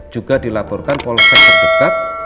juga dilaporkan polosan terdekat